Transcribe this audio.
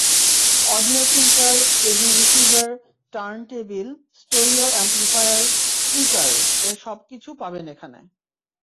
Audio filter, AV receiver, turntable, stereo amplifier, স্পিকার—এর সবকিছু পাবেন এখানে।